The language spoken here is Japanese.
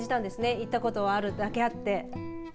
行ったことがあるだけあって。